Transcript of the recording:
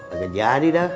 agak jadi dah